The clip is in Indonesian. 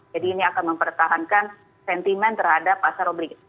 jadi ini akan mempertahankan sentimen terhadap pasar obligasi